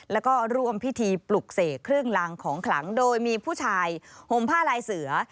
แล้วก็ร่วมพิธีปลุกเสกเครื่องลางของขลังโดยมีผู้ชายห่มผ้าลายเสือ